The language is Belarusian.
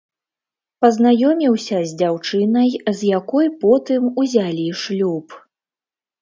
Пазнаёміўся з дзяўчынай, з якой потым узялі шлюб.